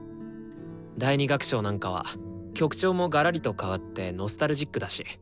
第２楽章なんかは曲調もがらりと変わってノスタルジックだし。